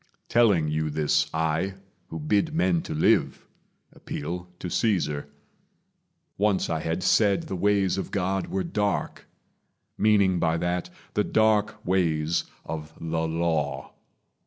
Telling you this, I, who bid men to live, appeal to Caesar. Once I had said the ways of God were dark, Meaning by that the dark ways of the Law.